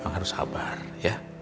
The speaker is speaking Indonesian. harus sabar ya